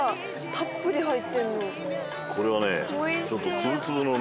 これはね